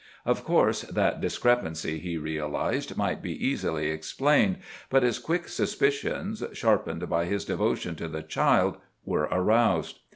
Of course that discrepancy, he realized, might be easily explained, but his quick suspicions, sharpened by his devotion to the child, were aroused.